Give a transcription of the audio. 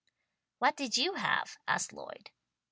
"What did you have?" asked Lloyd.